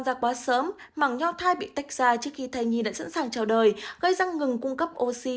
ra quá sớm mảng nhò thai bị tách ra trước khi thai nhi đã sẵn sàng trở đời gây ra ngừng cung cấp oxy